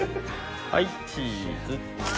はいチーズ！